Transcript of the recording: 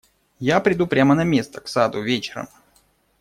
Я приду прямо на место, к саду, вечером.